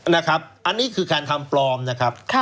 นะครับอันนี้คือการทำปลอมนะครับ